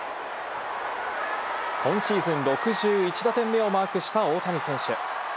今シーズン６１打点目をマークした大谷選手。